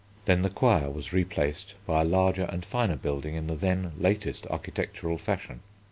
Then the Choir was replaced by a larger and finer building in the then latest architectural fashion.